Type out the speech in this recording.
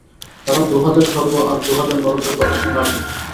তারা দু-হাজার স্বর্গ আর দু-হাজার নরকের কথা শোনাবেই।